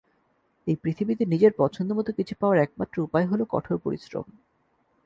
এই পৃথিবীতে নিজের পছন্দমতো কিছু পাওয়ার একমাত্র উপায় হলো কঠোর পরিশ্রম।